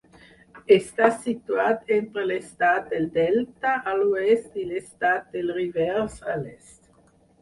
Està situat entre l'estat del Delta, a l'oest i l'estat de Rivers, a l'est.